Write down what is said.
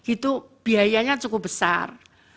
itu biayanya cukup besar